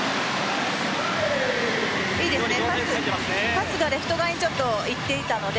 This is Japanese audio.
パスがレフト側にいっていたので、